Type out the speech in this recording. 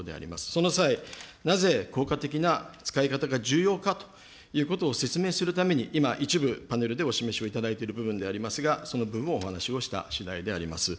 その際、なぜ効果的な使い方が重要かということを説明するために、今、一部パネルでお示しをいただいている部分でありますが、その部分をお話をしたしだいであります。